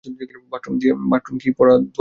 Bathroom কি দোয়া পড়ার জায়গা?